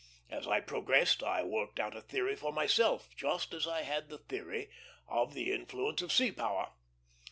As I progressed, I worked out a theory for myself, just as I had the theory of the influence of sea power.